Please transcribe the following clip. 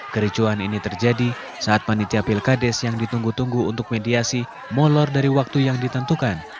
kericuan ini terjadi saat panitia pilkades yang ditunggu tunggu untuk mediasi molor dari waktu yang ditentukan